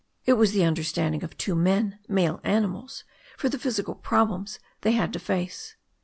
It was the understand ing of two men, male animals, for the physical problems they had to face.